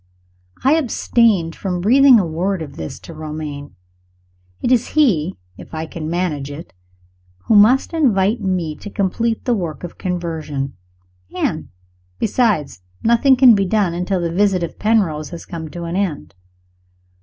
I abstained from breathing a word of this to Romayne. It is he, if I can manage it, who must invite me to complete the work of conversion and, besides, nothing can be done until the visit of Penrose has come to an end.